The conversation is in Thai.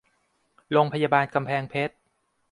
โรงพยาบาลกำแพงเพชร